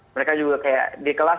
mereka juga kayak dikelas